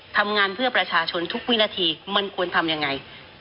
ทำงานเพื่อประชาชนทุกวินาทีมันควรทำยังไง